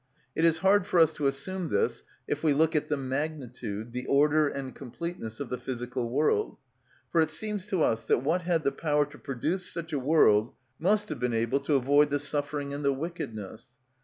It is hard for us to assume this if we look at the magnitude, the order and completeness, of the physical world, for it seems to us that what had the power to produce such a world must have been able to avoid the suffering and the wickedness.